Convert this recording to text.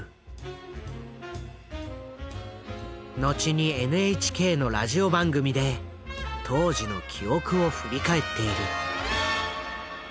後にＮＨＫのラジオ番組で当時の記憶を振り返っている。